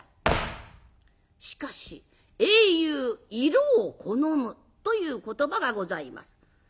しかし「英雄色を好む」という言葉がございます。